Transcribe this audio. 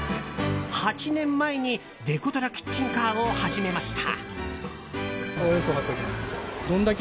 ８年前にデコトラキッチンカーを始めました。